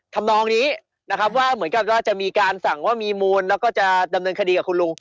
ทำนองนี้นะครับว่าเหมือนกับว่าจะมีการสั่งว่ามีมูลแล้วก็จะดำเนินคดีกับคุณลุง